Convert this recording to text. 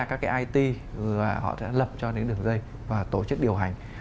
các it họ sẽ lập cho những đường dây và tổ chức điều hành